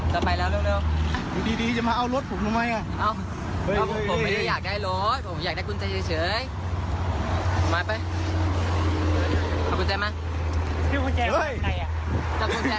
เฮ้ยคุณรถคุณอยู่โน่นอย่านะอย่านะ